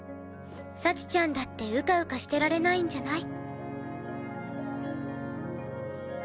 幸ちゃんだってうかうかしてられないんじゃない？